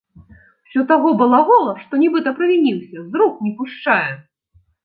Усё таго балагола, што нібыта правініўся, з рук не пушчае.